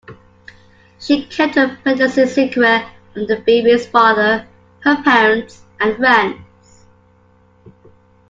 She kept her pregnancy secret from the baby's father, her parents and friends.